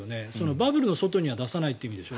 バブルの外には出さないという意味でしょ？